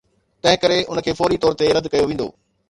تنهنڪري ان کي فوري طور تي رد ڪيو ويندو.